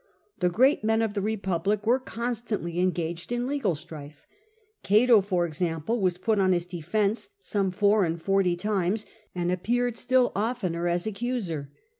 The great men of the Republic were constantly engaged in legal strife. Cato, for example, was put on his defence some four and forty times, and appeared still oftener as accuser.